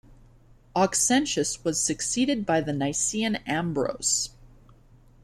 Auxentius was succeeded by the Nicaean Ambrose.